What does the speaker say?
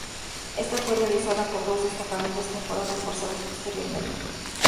Esta fue realizada por dos destacamentos, que fueron reforzados posteriormente.